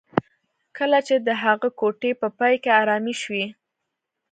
کله چې د هغه ګوتې په پای کې ارامې شوې